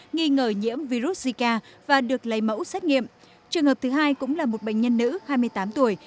nghi ngờ nhiễm virus zika và được lấy mẫu xét nghiệm trường hợp thứ hai cũng là một bệnh nhân nữ hai mươi tám tuổi